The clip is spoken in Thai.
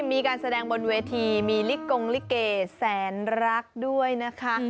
มีการแสดงบนเวทีมีลิกงลิเกแสนรักด้วยนะคะ